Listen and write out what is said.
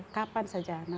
kapan saja anaknya